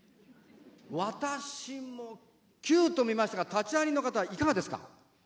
私も９と見ましたが立会人の方、どうですか。